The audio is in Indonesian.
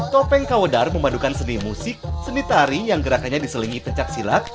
topeng kawedar memadukan seni musik seni tari yang gerakannya diselingi pecak silat